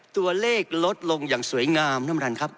ตัวเลขลดลงอย่างสวยงามน้ำรันครับ